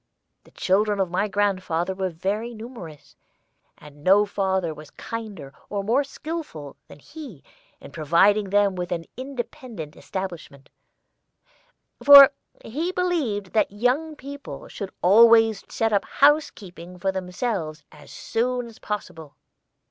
The children of my grandfather were very numerous, and no father was kinder or more skillful than he in providing them with an independent establishment, for he believed that young people should always set up housekeeping for themselves as soon as possible.